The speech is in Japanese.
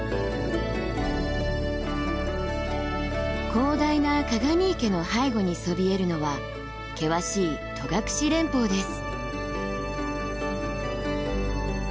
広大な鏡池の背後にそびえるのは険しい戸隠連峰です。